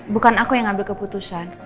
bukan aku yang ngambil keputusan